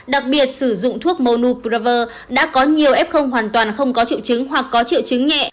đặc biệt sử dụng thuốc monu praver đã có nhiều f hoàn toàn không có triệu chứng hoặc có triệu chứng nhẹ